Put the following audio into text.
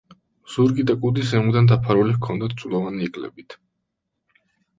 ზურგი და კუდი ზემოდან დაფარული ჰქონდათ ძვლოვანი ეკლებით.